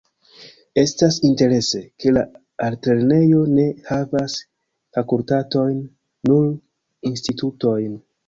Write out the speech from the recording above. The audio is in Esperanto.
Estas interese, ke la altlernejo ne havas fakultatojn, nur institutojn.